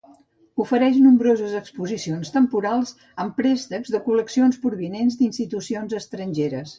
Ofereix nombroses exposicions temporals amb préstecs de col·leccions provinents d'institucions estrangeres.